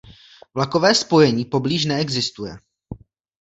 Vlakové spojení poblíž neexistuje.